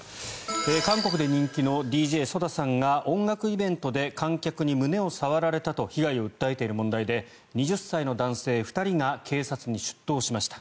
韓国で人気のＤＪＳＯＤＡさんが音楽イベントで観客に胸を触られたと被害を訴えている問題で２０歳の男性２人が警察に出頭しました。